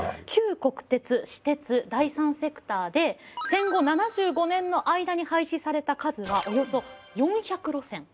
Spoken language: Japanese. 旧国鉄私鉄第三セクターで戦後７５年の間に廃止された数はおよそ４００路線。